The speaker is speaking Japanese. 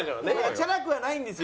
チャラくはないんですよ。